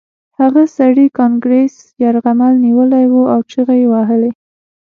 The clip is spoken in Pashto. هغه سړي کانګرس یرغمل نیولی و او چیغې یې وهلې